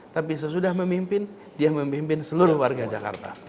tapi sesudah memimpin dia memimpin seluruh warga jakarta